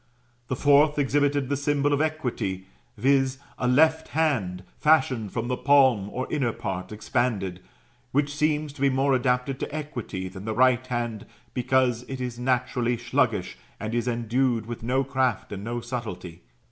The fourth exhibited the symbol of Equity, viz. a left hand, fashioned with the palm or inner part expanded; which seems to be more adapted to Equity than the right hand, because it is naturally sluggish, and is endued with no craft and no subtility.